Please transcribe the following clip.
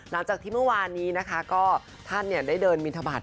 มาจากที่เมื่อวานนี้นะคะก็ท่านเนี้ยได้เดินมิถามาศ